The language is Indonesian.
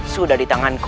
sudah di tanganku